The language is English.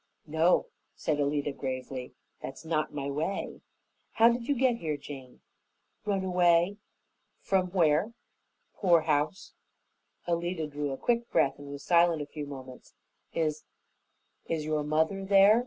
"No," said Alida gravely, "that's not my way. How did you get here, Jane?" "Run away." "From where?" "Poorhouse." Alida drew a quick breath and was silent a few moments. "Is is your mother there?"